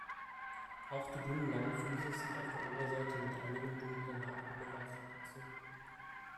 Auch die dünnen, langen Füße sind auf der Oberseite mit einigen dunklen Haaren bewachsen.